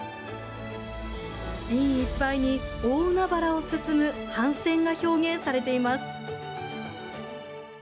瓶いっぱいに、大海原を進む帆船が表現されています。